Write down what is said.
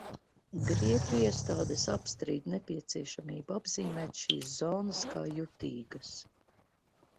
Grieķijas iestādes apstrīd nepieciešamību apzīmēt šīs zonas kā jutīgas.